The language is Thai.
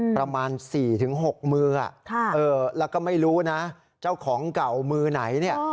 ประมาณ๔๖มือแล้วก็ไม่รู้นะเจ้าของเก่ามือไหนเนี่ย